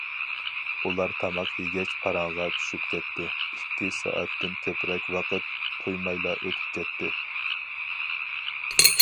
ئۇلار تاماق يېگەچ پاراڭغا چۈشۈپ كەتتى، ئىككى سائەتتىن كۆپرەك ۋاقىت تۇيمايلا ئۆتۈپ كەتتى.